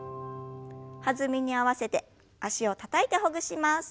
弾みに合わせて脚をたたいてほぐします。